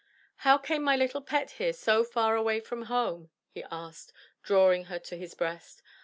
"How came my little pet here so far away from home?" he asked, drawing her to his breast.